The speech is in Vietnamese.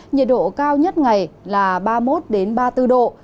nhiệt độ cao nhất ngày là ba mươi một ba mươi bốn độ